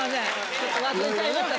ちょっと忘れちゃいました。